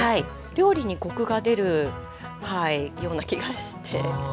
料理にコクが出るような気がして。